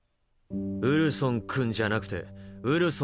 「ウルソンくん」じゃなくて「ウルソン先輩」だろ？